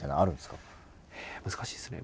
ええ難しいですね。